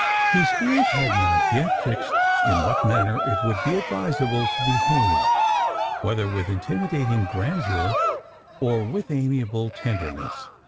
His aunt had not yet fixed in what manner it would be advisable to behave; whether with intimidating grandeur, or with amiable tenderness.